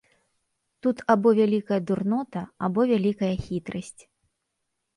Тут або вялікая дурнота, або вялікая хітрасць.